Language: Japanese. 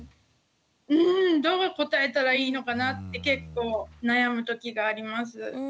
うんどう答えたらいいのかなって結構悩む時があります。